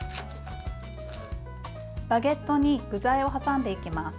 バゲットに具材を挟んでいきます。